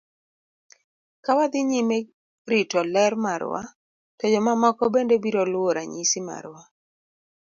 Ka wadhi nyime rito ler marwa, to jomamoko bende biro luwo ranyisi marwa.